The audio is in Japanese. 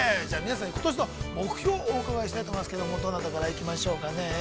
じゃあ皆さんにことしの目標をお伺いしたいと思いますけども、どなたから行きましょうかね。